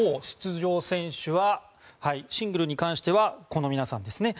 出場選手はシングルに関してはこの皆さんです。